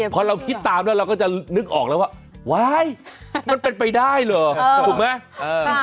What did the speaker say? พอเราคิดตามเราก็จะนึกออกว่าว้ายยยยยมันเป็นไปได้หรอ